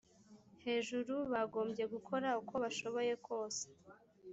hejuru bagombye gukora uko bashoboye kose